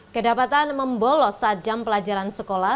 kedapatan membolos saat jam pelajaran sekolah